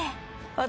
私。